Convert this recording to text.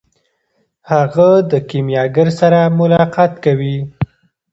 هغه د کیمیاګر سره ملاقات کوي.